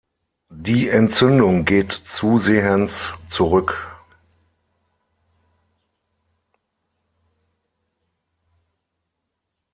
Die Entzündung geht zusehends zurück.